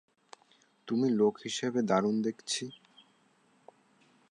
তুমি লোক হিসেবে দারুণ দেখছি।